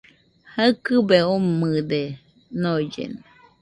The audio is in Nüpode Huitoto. Jaɨkɨbe omɨde noillena